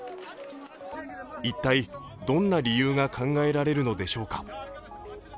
一体どんな理由が考えられるのでしょうか。